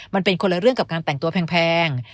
มันเป็นคนละเรื่องกับการแต่งตัวแพง